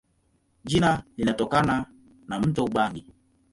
Jina linatokana na mto Ubangi.